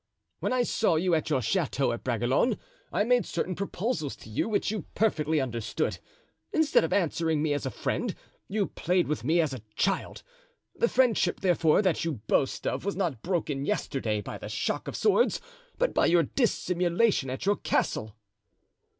"When I saw you at your chateau at Bragelonne, I made certain proposals to you which you perfectly understood; instead of answering me as a friend, you played with me as a child; the friendship, therefore, that you boast of was not broken yesterday by the shock of swords, but by your dissimulation at your castle."